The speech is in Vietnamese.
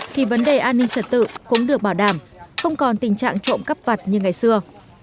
thì vấn đề an ninh trật tự cũng được bảo đảm không còn tình trạng trộm cắp vặt như ngày xưa